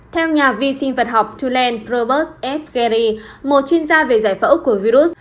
theo nhà vi sinh vật học tulane probert f gehry một chuyên gia về giải phẫu của virus